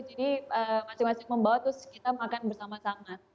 jadi masing masing membawa terus kita makan bersama sama